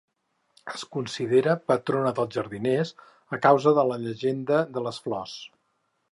És considerada patrona dels jardiners, a causa de la llegenda de les flors.